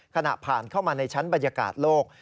ขณะผ่านเข้ามาในชั้นบรรยากาศโลก